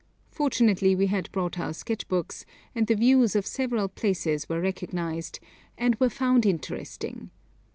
Fortunately, we had brought our sketch books, and the views of several places were recognised, and were found interesting.